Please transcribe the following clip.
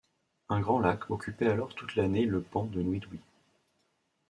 Un grand lac occupait alors toute l'année le pan de Nwetwe.